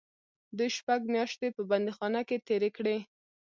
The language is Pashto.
دوی شپږ میاشتې په بندیخانه کې تېرې کړې.